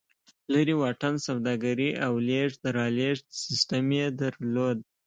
لرې واټن سوداګري او لېږد رالېږد سیستم یې درلود.